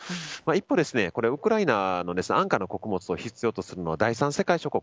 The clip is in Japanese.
一方、ウクライナの安価の穀物を必要とするの第三世界諸国。